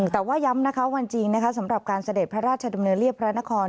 แต่ว่าย้ำนะคะวันจริงนะคะสำหรับการเสด็จพระราชดำเนินเรียบพระนคร